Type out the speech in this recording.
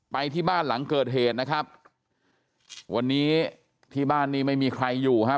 ไปที่บ้านหลังเกิดเหตุนะครับวันนี้ที่บ้านนี้ไม่มีใครอยู่ครับ